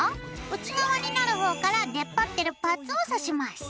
内側になる方から出っ張ってるパーツをさします。